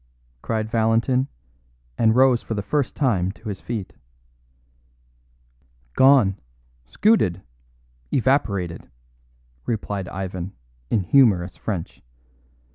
cried Valentin, and rose for the first time to his feet. "Gone. Scooted. Evaporated," replied Ivan in humorous French.